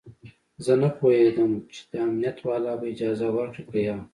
زه نه پوهېدم چې امنيت والا به اجازه ورکړي که يه.